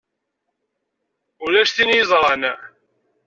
Ulac tin i yeẓṛan.